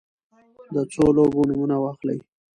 د څو لوبو نومونه واخلی ؟